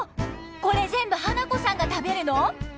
これ全部花子さんが食べるの！？」。